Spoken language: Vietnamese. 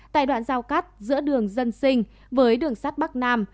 tại đoạn giao cắt giữa đường dân sinh với đường sắt bắc nam